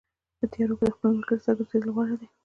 په تیارو کې د خپل ملګري سره ګرځېدل غوره دي.